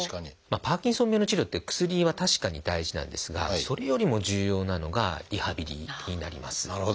パーキンソン病の治療って薬は確かに大事なんですがそれよりも重要なのがリハビリになります。